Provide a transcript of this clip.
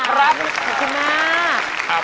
ขอบคุณมาก